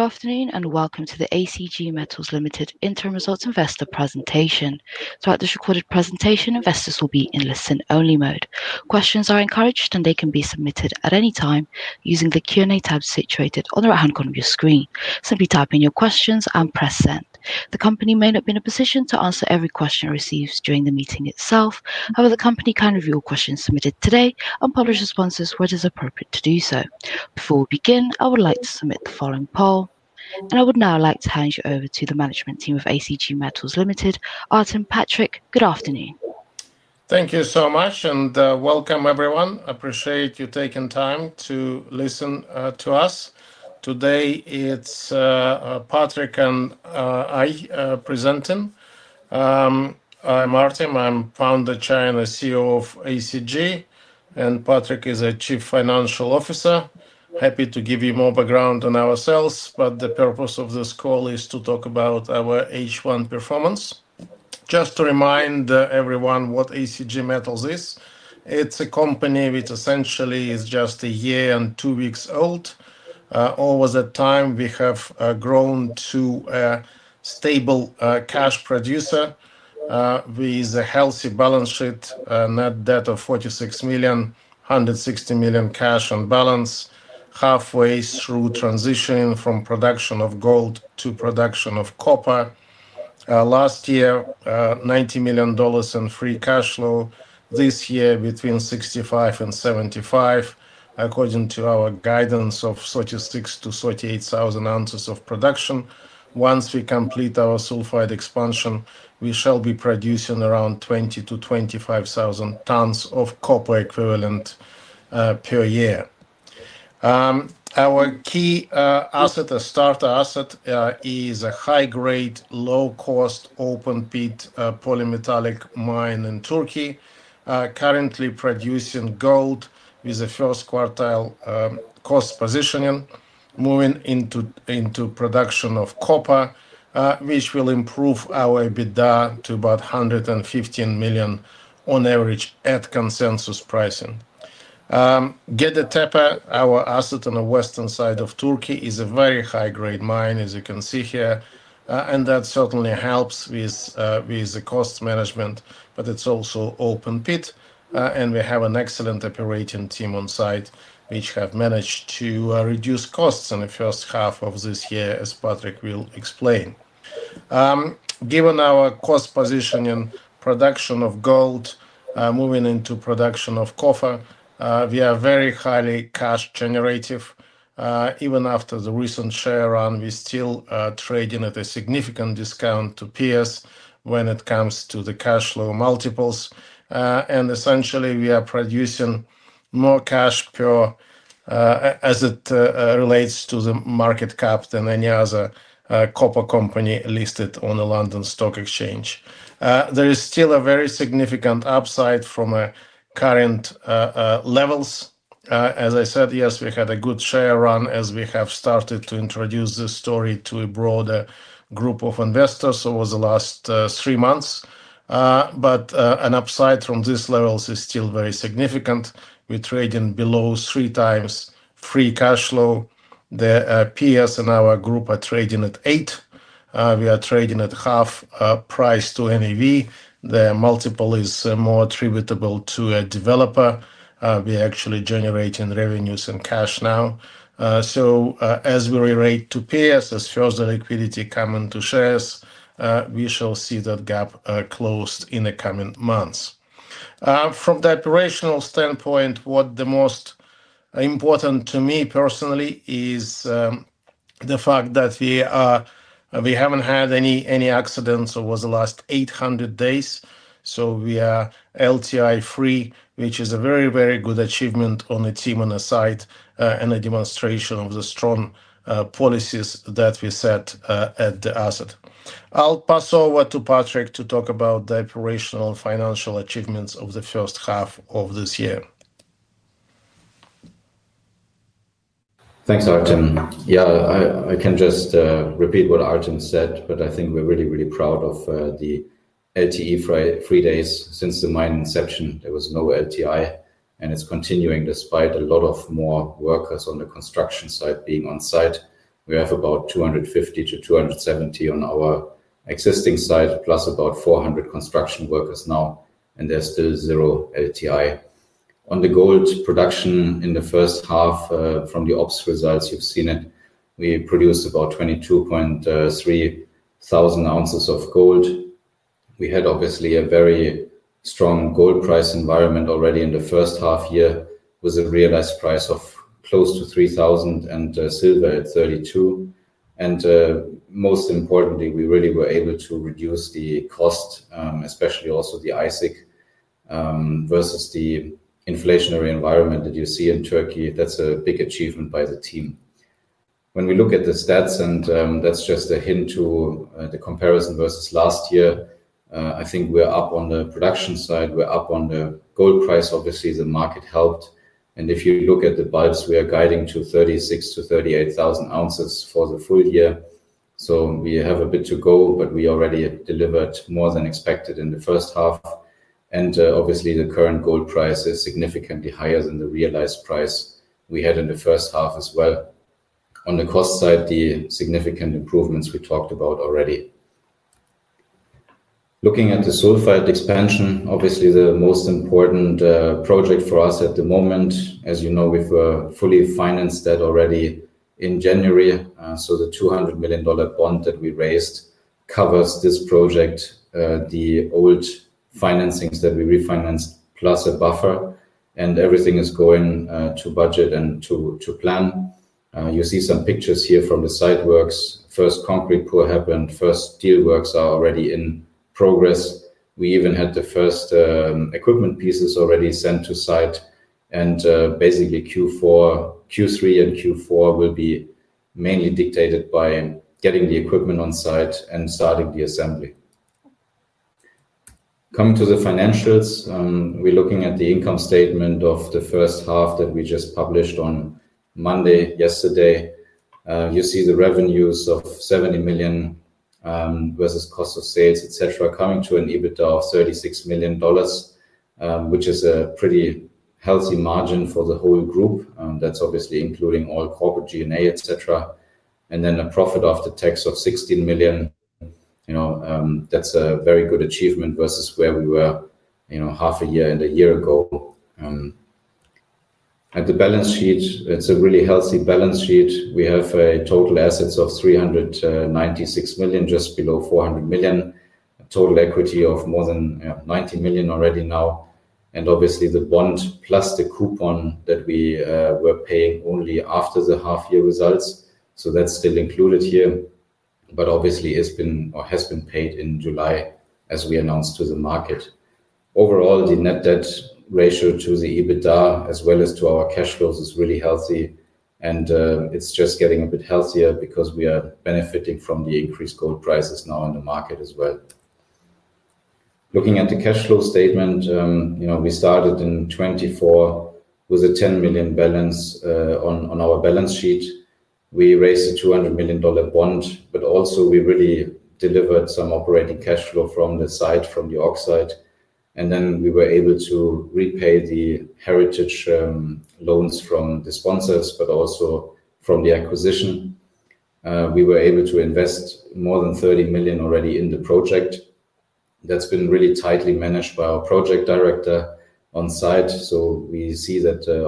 Good afternoon and welcome to the ACG Metals Limited interim results investor presentation. Throughout this recorded presentation, investors will be in listen-only mode. Questions are encouraged and they can be submitted at any time using the Q&A tab situated on the right-hand corner of your screen. Simply type in your questions and press send. The company may not be in a position to answer every question received during the meeting itself. However, the company can review all questions submitted today and publish responses when it is appropriate to do so. Before we begin, I would like to submit the following poll. I would now like to hand you over to the management team of ACG Metals Limited, Artem Volynets and Patrick Henze. Good afternoon. Thank you so much and welcome everyone. I appreciate you taking time to listen to us. Today, it's Patrick and I presenting. I'm Artem, I'm Founder and CEO of ACG Metals Limited, and Patrick is Chief Financial Officer. Happy to give you more background on ourselves, but the purpose of this call is to talk about our H1 performance. Just to remind everyone what ACG Metals Limited is, it's a company which essentially is just a year and two weeks old. Over that time, we have grown to a stable cash producer with a healthy balance sheet, a net debt of £46 million, £160 million cash on balance, halfway through transitioning from production of gold to production of copper. Last year, $90 million in free cash flow. This year, between £65 million and £75 million, according to our guidance of 36,000 to 38,000 ounces of production. Once we complete our sulphide expansion, we shall be producing around 20,000 to 25,000 tonnes of copper equivalent per year. Our key asset, a starter asset, is a high-grade, low-cost open-pit polymetallic mine in Turkey, currently producing gold with a first quartile cost positioning, moving into production of copper, which will improve our EBITDA to about £115 million on average at consensus pricing. Gediktepe, our asset on the western side of Turkey, is a very high-grade mine, as you can see here, and that certainly helps with the cost management, but it's also open pit. We have an excellent operating team on site, which have managed to reduce costs in the first half of this year, as Patrick will explain. Given our cost positioning, production of gold, moving into production of copper, we are very highly cash generative. Even after the recent share run, we're still trading at a significant discount to peers when it comes to the cash flow multiples. Essentially, we are producing more cash per as it relates to the market cap than any other copper company listed on the London Stock Exchange. There is still a very significant upside from our current levels. As I said, yes, we had a good share run as we have started to introduce this story to a broader group of investors over the last three months. An upside from these levels is still very significant. We're trading below three times free cash flow. The peers in our group are trading at eight. We are trading at half price to NAV. The multiple is more attributable to a developer. We are actually generating revenues and cash now. As we re-rate to peers, as further liquidity comes into shares, we shall see that gap closed in the coming months. From the operational standpoint, what is most important to me personally is the fact that we haven't had any accidents over the last 800 days. We are LTI-free, which is a very, very good achievement on the team on the site and a demonstration of the strong policies that we set at the asset. I'll pass over to Patrick to talk about the operational financial achievements of the first half of this year. Thanks, Artem. Yeah, I can just repeat what Artem said, but I think we're really, really proud of the LTI-free days. Since the mine inception, there was no LTI, and it's continuing despite a lot more workers on the construction site being on site. We have about 250 to 270 on our existing site, plus about 400 construction workers now, and there's still zero LTI. On the gold production in the first half, from the ops results, you've seen it. We produced about 22,000 ounces of gold. We had obviously a very strong gold price environment already in the first half year with a real-ass price of close to $3,000 and silver at $32. Most importantly, we really were able to reduce the cost, especially also the AISC versus the inflationary environment that you see in Turkey. That's a big achievement by the team. When we look at the stats, and that's just a hint to the comparison versus last year, I think we're up on the production side. We're up on the gold price. Obviously, the market helped. If you look at the buys, we are guiding to 36,000 to 38,000 ounces for the full year. We have a bit to go, but we already delivered more than expected in the first half. Obviously, the current gold price is significantly higher than the real-ass price we had in the first half as well. On the cost side, the significant improvements we talked about already. Looking at the sulphide expansion, obviously the most important project for us at the moment, as you know, we've fully financed that already in January. The $200 million bond that we raised covers this project, the old financing that we refinanced, plus a buffer, and everything is going to budget and to plan. You see some pictures here from the site works. First concrete pour happened. First steel works are already in progress. We even had the first equipment pieces already sent to site. Basically, Q3 and Q4 will be mainly dictated by getting the equipment on site and starting the assembly. Coming to the financials, we're looking at the income statement of the first half that we just published on Monday, yesterday. You see the revenues of $70 million versus cost of sales, etc., coming to an EBITDA of $36 million, which is a pretty healthy margin for the whole group. That's obviously including all corporate DNA, etc. Then a profit after tax of $16 million. That's a very good achievement versus where we were half a year and a year ago. At the balance sheet, it's a really healthy balance sheet. We have total assets of $396 million, just below $400 million. Total equity of more than $90 million already now. Obviously, the bond plus the coupon that we were paying only after the half-year results, that's still included here. It has been paid in July, as we announced to the market. Overall, the net debt ratio to the EBITDA, as well as to our cash flows, is really healthy. It's just getting a bit healthier because we are benefiting from the increased gold prices now on the market as well. Looking at the cash flow statement, you know, we started in 2024 with a $10 million balance on our balance sheet. We raised a $200 million bond, but also we really delivered some operating cash flow from the site, from the ops side. We were able to repay the heritage loans from the sponsors, but also from the acquisition. We were able to invest more than $30 million already in the project. That's been really tightly managed by our project director on site. We see that a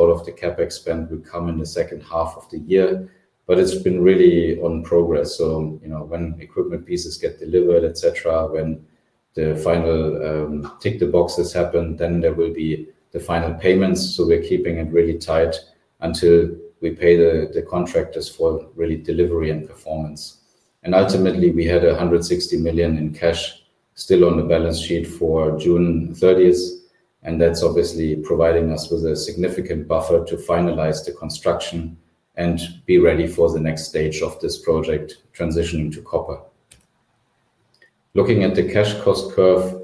lot of the CapEx spend will come in the second half of the year, but it's been really on progress. When equipment pieces get delivered, etc., when the final tick-the-boxes happen, there will be the final payments. We're keeping it really tight until we pay the contractors for really delivery and performance. Ultimately, we had $160 million in cash still on the balance sheet for June 30. That's providing us with a significant buffer to finalize the construction and be ready for the next stage of this project, transitioning to copper. Looking at the cash cost curve,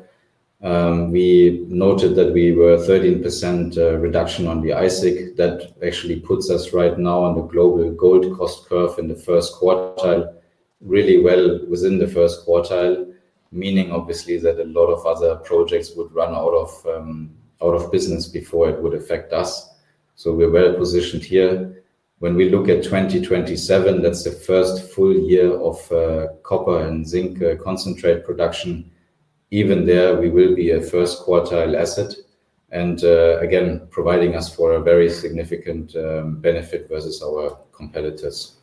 we noted that we were a 13% reduction on the AISC. That actually puts us right now on the global gold cost curve in the first quartile, really well within the first quartile, meaning that a lot of other projects would run out of business before it would affect us. We're well positioned here. When we look at 2027, that's the first full year of copper and zinc concentrate production. Even there, we will be a first quartile asset, again providing us for a very significant benefit versus our competitors.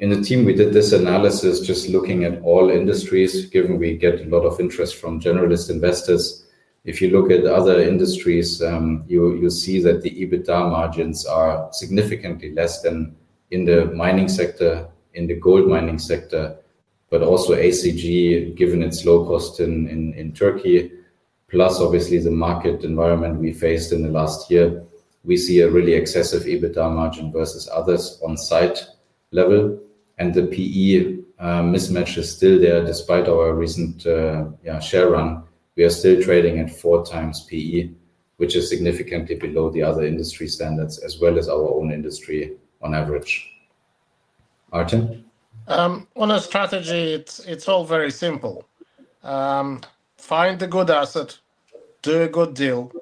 In the team, we did this analysis just looking at all industries, given we get a lot of interest from generalist investors. If you look at other industries, you'll see that the EBITDA margins are significantly less than in the mining sector, in the gold mining sector, but also ACG, given its low cost in Turkey, plus obviously the market environment we faced in the last year, we see a really excessive EBITDA margin versus others on site level. The PE mismatch is still there despite our recent share run. We are still trading at four times PE, which is significantly below the other industry standards, as well as our own industry on average. Artem? On a strategy, it's all very simple. Find a good asset, do a good deal,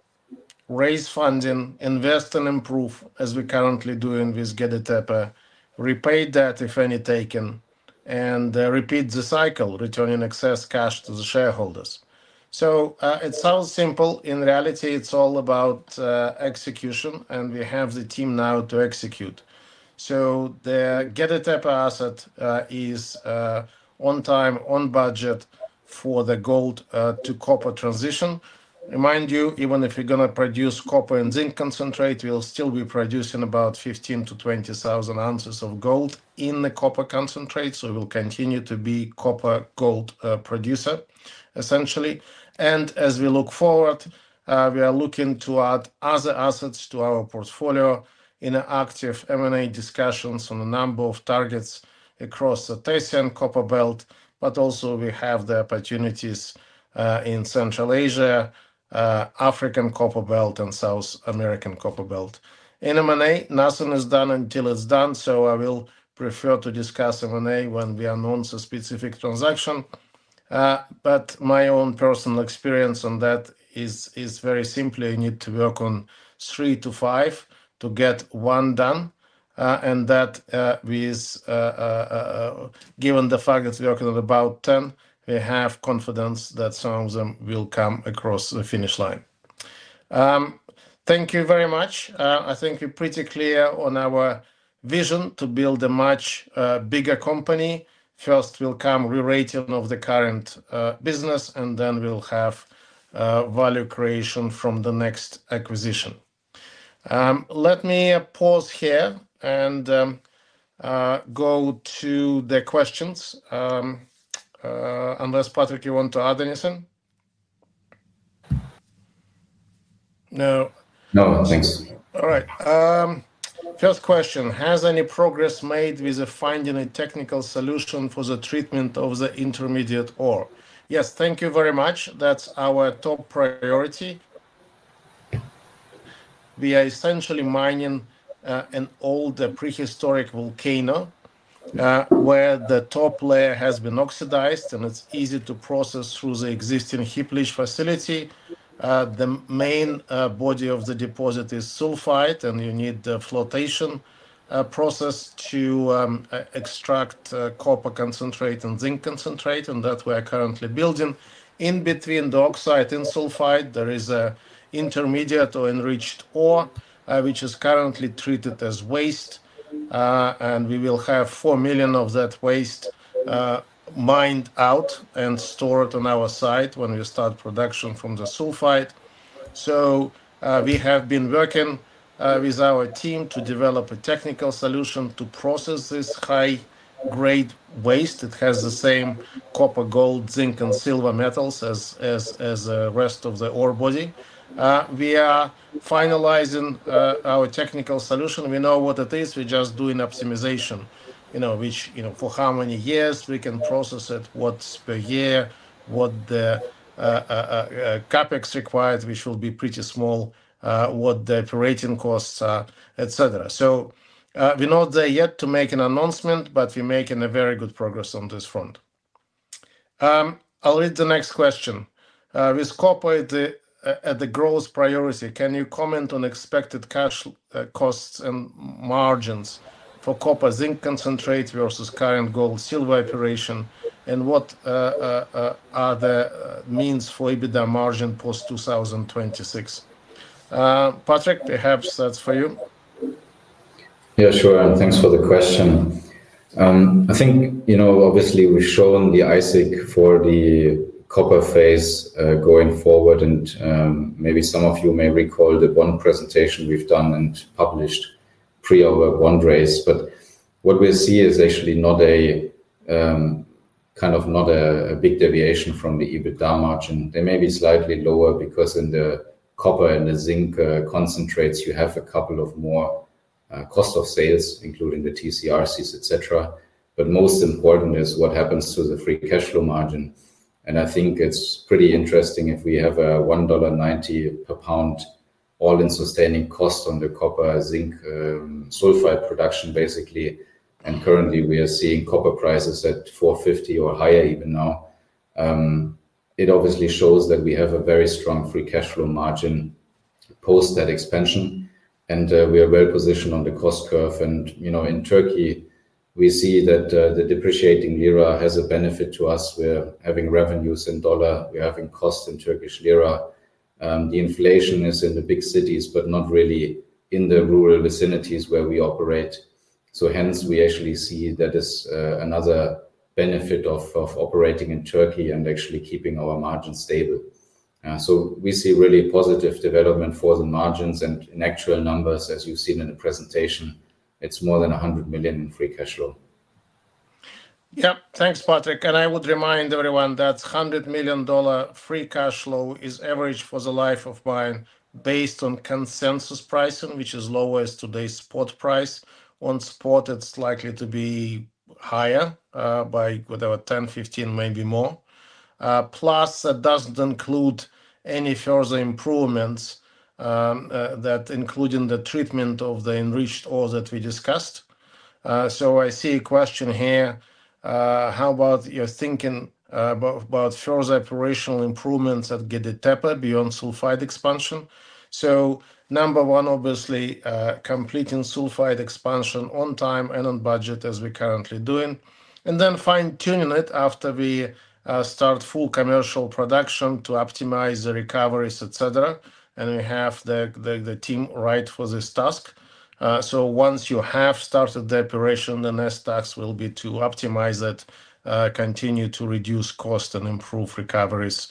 raise funding, invest and improve as we're currently doing with Gediktepe, repay debt if any taken, and repeat the cycle, returning excess cash to the shareholders. It sounds simple. In reality, it's all about execution, and we have the team now to execute. The Gediktepe asset is on time, on budget for the gold to copper transition. Remind you, even if you're going to produce copper and zinc concentrate, we'll still be producing about 15,000 to 20,000 ounces of gold in the copper concentrate. We'll continue to be a copper-gold producer, essentially. As we look forward, we are looking to add other assets to our portfolio in active M&A discussions on a number of targets across the Thasian copper belt, but also we have the opportunities in Central Asia, African copper belt, and South American copper belt. In M&A, nothing is done until it's done. I will prefer to discuss M&A when we announce a specific transaction. My own personal experience on that is very simple. You need to work on three to five to get one done. Given the fact that we're working on about 10, we have confidence that some of them will come across the finish line. Thank you very much. I think we're pretty clear on our vision to build a much bigger company. First, we'll come re-rating of the current business, and then we'll have value creation from the next acquisition. Let me pause here and go to the questions. Unless, Patrick, you want to add anything? No, no, thanks. All right. First question, has any progress made with finding a technical solution for the treatment of the intermediate ore? Yes, thank you very much. That's our top priority. We are essentially mining an old prehistoric volcano where the top layer has been oxidized, and it's easy to process through the existing heap leach facility. The main body of the deposit is sulphide, and you need the flotation process to extract copper concentrate and zinc concentrate, and that we are currently building. In between the oxide and sulphide, there is an intermediate enriched ore, which is currently treated as waste, and we will have $4 million of that waste mined out and stored on our site when we start production from the sulphide. We have been working with our team to develop a technical solution to process this high-grade waste. It has the same copper, gold, zinc, and silver metals as the rest of the ore body. We are finalizing our technical solution. We know what it is. We're just doing optimization, you know, for how many years we can process it, what's per year, what the CapEx required, which will be pretty small, what the operating costs are, etc. We're not there yet to make an announcement, but we're making very good progress on this front. I'll read the next question. With copper at the growth priority, can you comment on expected cash costs and margins for copper-zinc concentrate versus current gold-silver operation, and what are the means for EBITDA margin post 2026? Patrick, perhaps that's for you. Yeah, sure. Thanks for the question. I think, you know, obviously we've shown the AISC for the copper phase going forward, and maybe some of you may recall the one presentation we've done and published pre-our one raise. What we see is actually not a big deviation from the EBITDA margin. It may be slightly lower because in the copper and the zinc concentrates, you have a couple of more costs of sales, including the TCRCs, etc. Most important is what happens to the free cash flow margin. I think it's pretty interesting if we have a $1.90 per pound all-in sustaining costs on the copper-zinc sulphide production, basically. Currently, we are seeing copper prices at $4.50 or higher even now. It obviously shows that we have a very strong free cash flow margin post that expansion. We are well positioned on the cost curve. You know, in Turkey, we see that the depreciating lira has a benefit to us. We're having revenues in dollar. We're having costs in Turkish lira. The inflation is in the big cities, but not really in the rural vicinities where we operate. Hence, we actually see that is another benefit of operating in Turkey and actually keeping our margin stable. We see really positive development for the margins and in actual numbers, as you've seen in the presentation, it's more than $100 million in free cash flow. Yeah, thanks, Patrick. I would remind everyone that $100 million free cash flow is average for the life of mine based on consensus pricing, which is as low as today's spot price. On spot, it's likely to be higher by whatever, 10%, 15%, maybe more. Plus, it doesn't include any further improvements that include the treatment of the enriched ore that we discussed. I see a question here. How about your thinking about further operational improvements at Gediktepe beyond sulphide expansion? Number one, obviously, completing sulphide expansion on time and on budget, as we're currently doing. Then fine-tuning it after we start full commercial production to optimize the recoveries, etc. We have the team right for this task. Once you have started the operation, the next task will be to optimize it, continue to reduce costs and improve recoveries,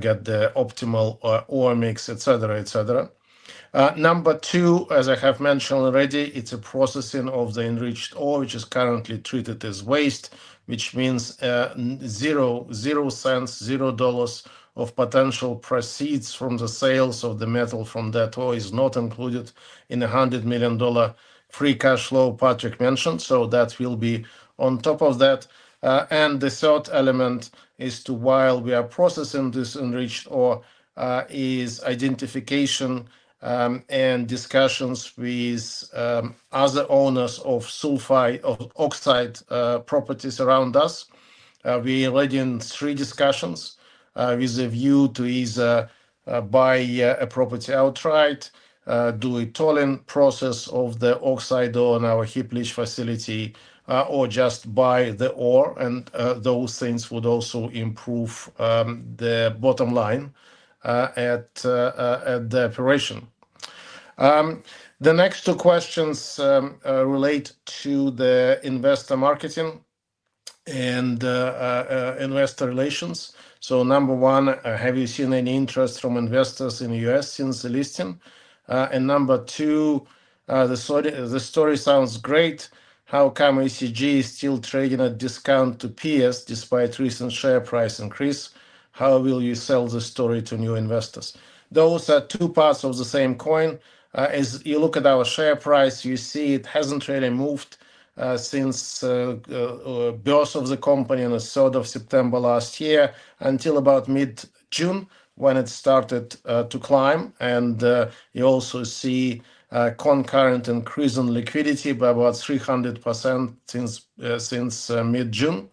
get the optimal ore mix, etc., etc. Number two, as I have mentioned already, it's a processing of the enriched ore, which is currently treated as waste, which means $0.00 of potential proceeds from the sales of the metal from that ore is not included in the $100 million free cash flow Patrick mentioned. That will be on top of that. The third element is, while we are processing this enriched ore, identification and discussions with other owners of sulphide oxide properties around us. We're already in three discussions with a view to either buy a property outright, do a tolling process of the oxide ore in our Hiplish facility, or just buy the ore. Those things would also improve the bottom line at the operation. The next two questions relate to the investor marketing and investor relations. Number one, have you seen any interest from investors in the U.S. since the listing? Number two, the story sounds great. How come ACG Metals Limited is still trading at discount to peers despite recent share price increase? How will you sell the story to new investors? Those are two parts of the same coin. As you look at our share price, you see it hasn't really moved since the birth of the company on the 3rd of September last year until about mid-June when it started to climb. You also see a concurrent increase in liquidity by about 300% since mid-June.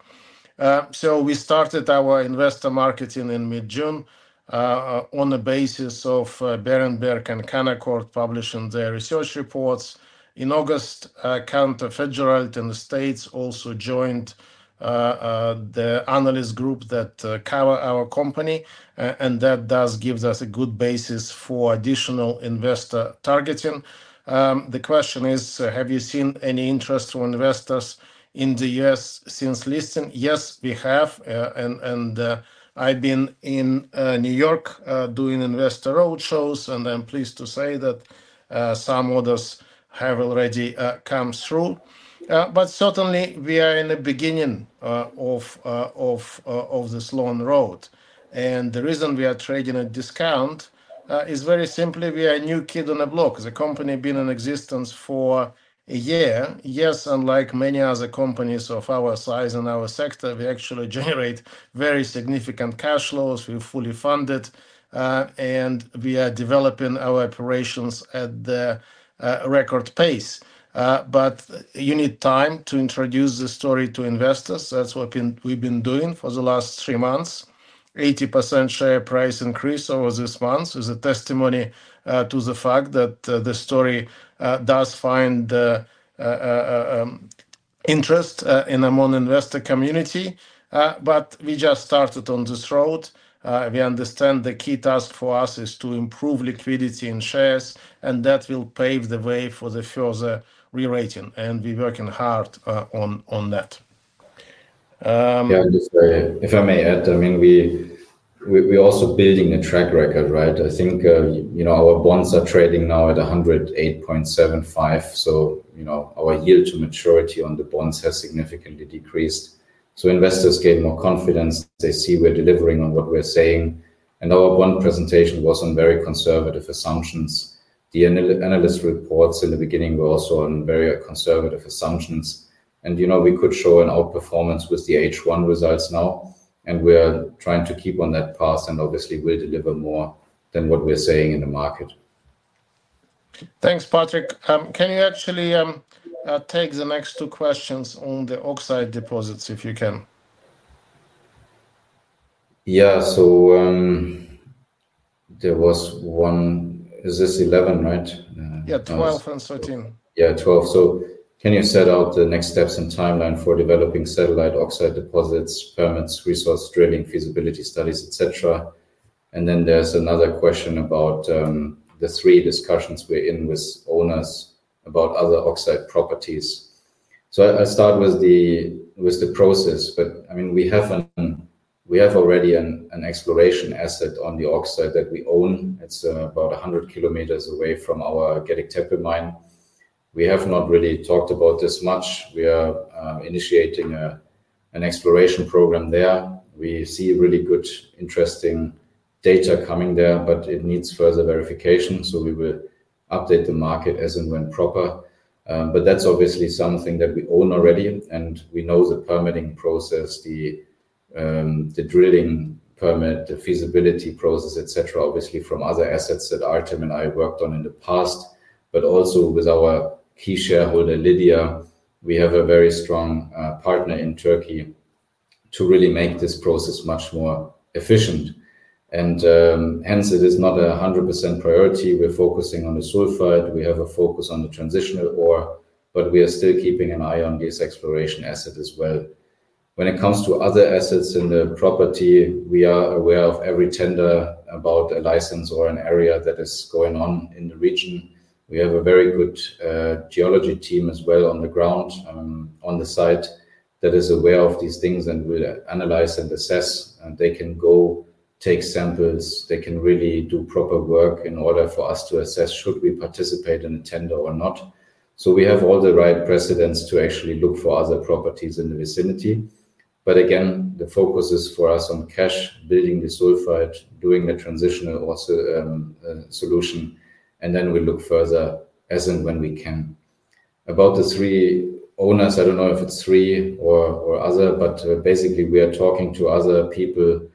We started our investor marketing in mid-June on a basis of Berenberg and Canaccord publishing their research reports. In August, Cantor Fitzgerald in the States also joined the analyst group that cover our company. That does give us a good basis for additional investor targeting. The question is, have you seen any interest from investors in the U.S. since listing? Yes, we have. I've been in New York doing investor roadshows, and I'm pleased to say that some orders have already come through. We are in the beginning of this long road. The reason we are trading at a discount is very simply we are a new kid on the block. The company has been in existence for a year. Unlike many other companies of our size in our sector, we actually generate very significant cash flows. We're fully funded, and we are developing our operations at a record pace. You need time to introduce the story to investors. That's what we've been doing for the last three months. An 80% share price increase over this month is a testimony to the fact that the story does find interest among the investor community. We just started on this road. We understand the key task for us is to improve liquidity in shares, and that will pave the way for the further re-rating. We're working hard on that. Yeah, if I may add, we're also building a track record, right? I think our bonds are trading now at $108.75. Our yield to maturity on the bonds has significantly decreased. Investors gain more confidence. They see we're delivering on what we're saying. Our bond presentation was on very conservative assumptions. The analyst reports in the beginning were also on very conservative assumptions. We could show an outperformance with the H1 results now. We're trying to keep on that path and obviously we'll deliver more than what we're saying in the market. Thanks, Patrick. Can you actually take the next two questions on the oxide deposits if you can? Yeah, there was one. Is this 11, right? Yeah, 12 and 13. Yeah, 12. Can you set out the next steps and timeline for developing satellite oxide deposits, permits, resource drilling, feasibility studies, etc.? There's another question about the three discussions we're in with owners about other oxide properties. I start with the process, but we have already an exploration asset on the oxide that we own. It's about 100 kilometers away from our Gediktepe mine. We have not really talked about this much. We are initiating an exploration program there. We see really good, interesting data coming there, but it needs further verification. We will update the market as and when proper. That's obviously something that we own already. We know the permitting process, the drilling permit, the feasibility process, etc., from other assets that Artem and I worked on in the past, and also with our key shareholder, Lidya, we have a very strong partner in Turkey to really make this process much more efficient. Hence, it is not a 100% priority. We're focusing on the sulphide. We have a focus on the transitional ore, but we are still keeping an eye on this exploration asset as well. When it comes to other assets in the property, we are aware of every tender about a license or an area that is going on in the region. We have a very good geology team as well on the ground, on the site that is aware of these things and will analyze and assess. They can go take samples. They can really do proper work in order for us to assess if we should participate in a tender or not. We have all the right precedence to actually look for other properties in the vicinity. The focus is for us on cash, building the sulphide, doing the transitional ore solution, and then we'll look further as and when we can. About the three owners, I don't know if it's three or other, but basically, we are talking to other people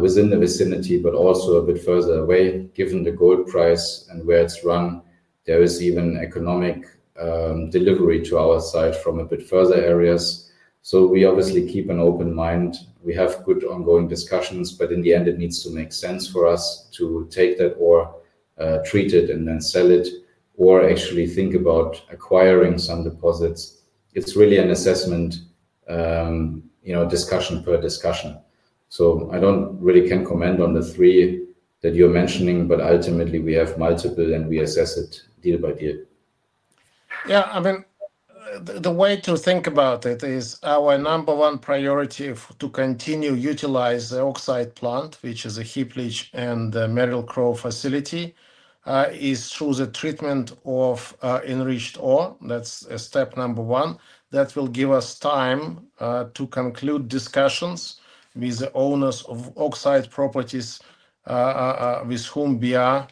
within the vicinity, but also a bit further away. Given the gold price and where it's run, there is even economic delivery to our site from a bit further areas. We obviously keep an open mind. We have good ongoing discussions, but in the end, it needs to make sense for us to take that ore, treat it, and then sell it, or actually think about acquiring some deposits. It's really an assessment, discussion per discussion. I don't really can comment on the three that you're mentioning, but ultimately, we have multiple and we assess it deal by deal. Yeah, I mean, the way to think about it is our number one priority to continue to utilize the oxide plant, which is a Heap Leach and Merrill Crowe facility, is through the treatment of enriched ore. That's step number one. That will give us time to conclude discussions with the owners of oxide properties with whom we are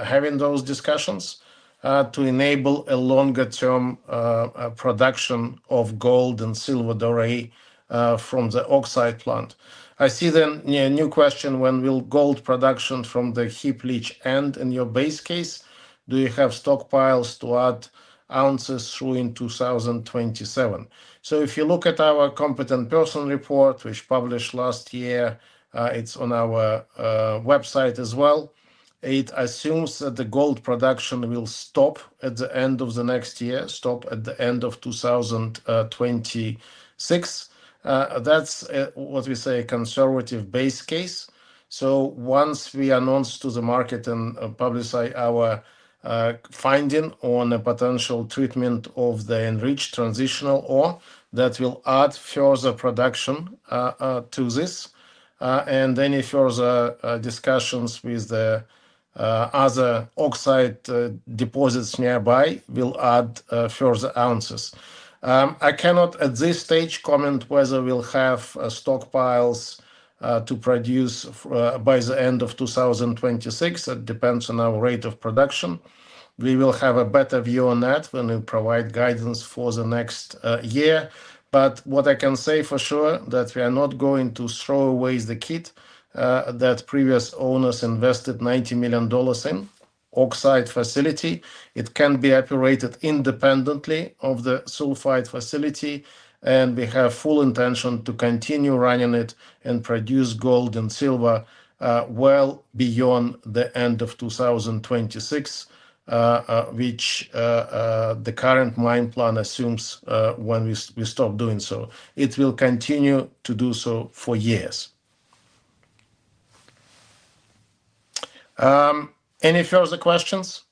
having those discussions to enable a longer-term production of gold and silver doré from the oxide plant. I see the new question, when will gold production from the Heap Leach end in your base case? Do you have stockpiles to add ounces through in 2027? If you look at our competent person report, which was published last year, it's on our website as well. It assumes that the gold production will stop at the end of next year, stop at the end of 2026. That's what we say a conservative base case. Once we announce to the market and publish our finding on a potential treatment of the enriched transitional ore, that will add further production to this. Any further discussions with the other oxide deposits nearby will add further ounces. I cannot at this stage comment whether we'll have stockpiles to produce by the end of 2026. It depends on our rate of production. We will have a better view on that when we provide guidance for next year. What I can say for sure is that we are not going to throw away the kit that previous owners invested $90 million in, oxide facility. It can be operated independently of the sulphide facility. We have full intention to continue running it and produce gold and silver well beyond the end of 2026, which the current mine plan assumes when we stop doing so. It will continue to do so for years. Any further questions?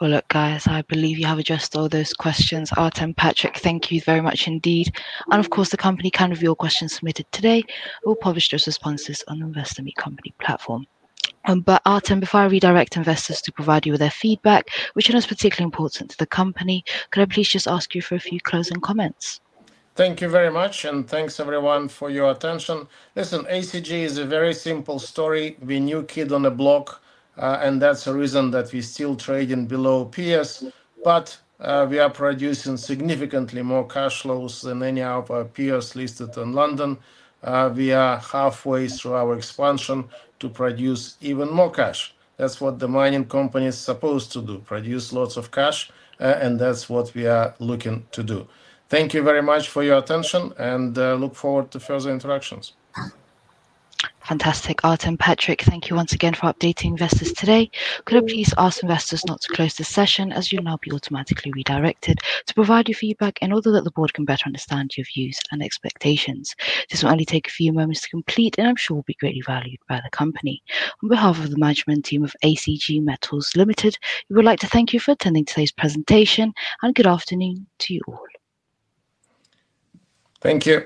Alright guys, I believe you have addressed all those questions. Artem, Patrick, thank you very much indeed. Of course, the company can review your questions submitted today. We'll publish those responses on the Investor Meet Company platform. Artem, before I redirect investors to provide you with their feedback, which I know is particularly important to the company, could I please just ask you for a few closing comments? Thank you very much, and thanks everyone for your attention. Listen, ACG Metals Limited is a very simple story. We're a new kid on the block, and that's the reason that we're still trading below peers. We are producing significantly more cash flows than any of our peers listed in London. We are halfway through our expansion to produce even more cash. That's what the mining company is supposed to do, produce lots of cash, and that's what we are looking to do. Thank you very much for your attention, and look forward to further interactions. Fantastic. Artem, Patrick, thank you once again for updating investors today. Could I please ask investors not to close the session, as you'll now be automatically redirected to provide your feedback in order that the board can better understand your views and expectations. This will only take a few moments to complete, and I'm sure it will be greatly valued by the company. On behalf of the management team of ACG Metals Limited, we would like to thank you for attending today's presentation, and a good afternoon to you all. Thank you.